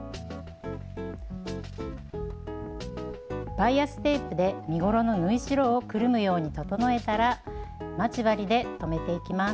バイアステープで身ごろの縫い代をくるむように整えたら待ち針で留めていきます。